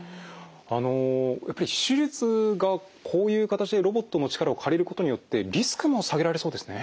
あのやっぱり手術がこういう形でロボットの力を借りることによってリスクも下げられそうですね。